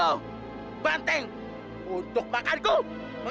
roger teng selamat siang